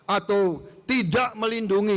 atau tidak melindungi